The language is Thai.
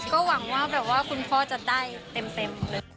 ก็หวังว่าแบบว่าคุณพ่อจะได้เต็ม